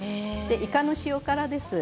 いかの塩辛です。